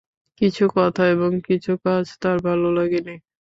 কিছু কথা এবং কিছু কাজ তার ভাল লাগে নি।